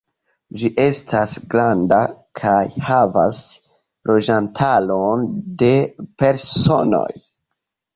Ĝi estas granda kaj havas loĝantaron de personoj.